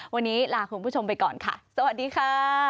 วันนี้ลาคุณผู้ชมไปก่อนค่ะสวัสดีค่ะ